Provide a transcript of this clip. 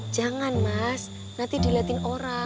jangan mas nanti dilihatin orang